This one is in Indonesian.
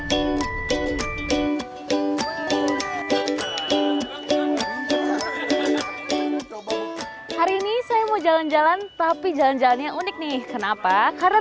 hari ini saya mau jalan jalan tapi jalan jalannya unik nih kenapa karena